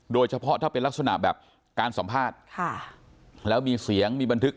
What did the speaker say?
โดยเฉพาะถ้าเป็นลักษณะแบบการสัมภาษณ์ค่ะแล้วมีเสียงมีบันทึก